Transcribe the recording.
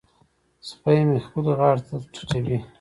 سپی مې خپلې غاړې ته ټيټوي.